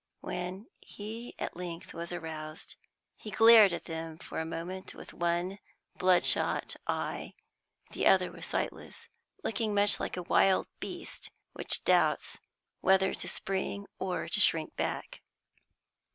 When at length he was aroused, he glared at them for a moment with one blood shot eye (the other was sightless), looking much like a wild beast which doubts whether to spring or to shrink back.